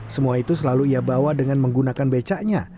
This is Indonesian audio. semua itu selalu ia bawa dengan menggunakan becaknya